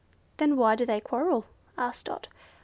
"Then why do they quarrel?" asked Dot.